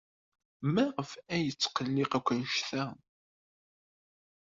Maɣef ay yetqelliq akk anect-a?